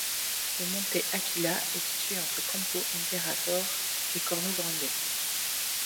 Le Monte Aquila est situé entre Campo Imperatore et Corno Grande.